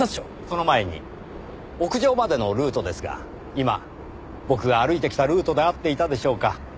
その前に屋上までのルートですが今僕が歩いてきたルートで合っていたでしょうか？